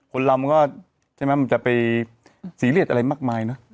คนเรามันก็จะไปซีเรียสอะไรมากมายเนอะ